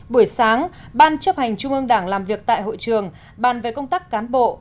buổi sáng ban chấp hành trung ương đảng làm việc tại hội trường bàn về công tác cán bộ